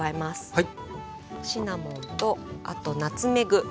はい。